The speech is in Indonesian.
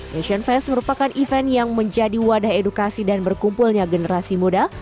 nation fest merupakan event yang menjadi wadah edukasi dan berkumpulnya generasi muda